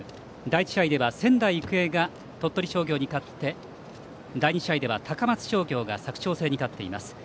第１試合では仙台育英が鳥取商業に勝って第２試合では高松商業が佐久長聖に勝っています。